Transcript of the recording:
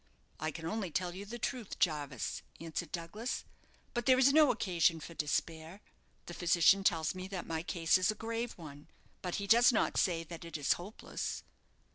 "I can only tell you the truth, Jarvis," answered Douglas: "but there is no occasion for despair. The physician tells me that my case is a grave one, but he does not say that it is hopeless."